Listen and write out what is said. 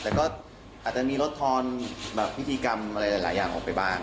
แต่ก็อาจจะมีลดทอนแบบพิธีกรรมอะไรหลายอย่างออกไปบ้าง